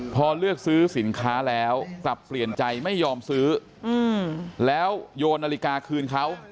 พอเลือกซื้อสินค้าแล้วกลับเปลี่ยนใจไม่ยอมซื้อแล้วโยนนาฬิกาคืนเขา